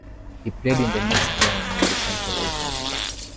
He played in the next game in the same position.